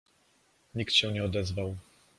Nikt się nie odezwał.